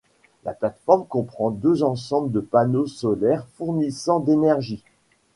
La plateforme comprend deux ensembles de panneaux solaires fournissant d'énergie.